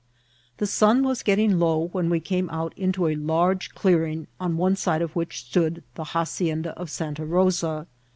The sun was getting low when we came out into a large clearing, on one side of which stood the ha cienda of Santa Rosa.